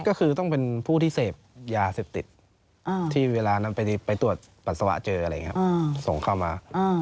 ก็คือต้องเป็นผู้ที่เสพยาเสพติดที่เวลานั้นไปตรวจปัสสาวะเจออะไรอย่างนี้ส่งเข้ามา